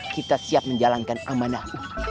kita siap menjalankan amanah